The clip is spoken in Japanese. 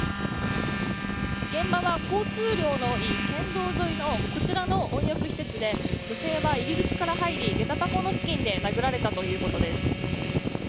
現場は交通量の多い県道沿いのこちらの温浴施設で女性は、入り口から入りげた箱の付近で殴られたということです。